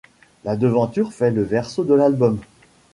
La devanture fait le verso de l'album.